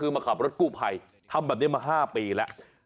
คือมาขับรถกู้ภัยทำแบบนี้มา๕ปีแล้ว